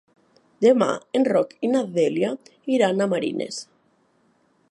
Demà en Roc i na Dèlia iran a Marines.